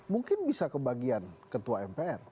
mungkin bisa kebagian ketua mpr